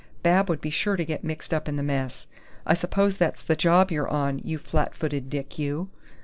Bab would be sure to be mixed up in the mess.... I suppose that's the job you're on, you flat footed dick, you!"